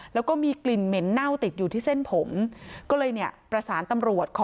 แล้วก็มีกลิ่นเหม็นเน่าติดอยู่ที่เส้นผม